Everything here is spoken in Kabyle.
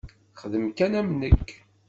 Xdem kan am nekk.